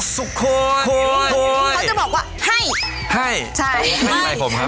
ศุกรโคศุกรโคพอจะบอกว่าให้